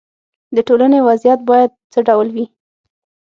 د ټولنې وضعیت باید څه ډول وي.